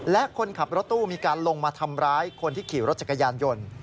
และคนขับรถตู้มีการลงมาทำร้ายคนที่ขี่รถจักรยานยนต์